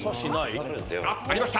あっありました